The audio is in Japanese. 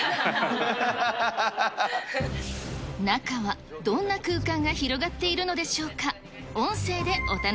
はい、中はどんな空間が広がっているのでしょうか。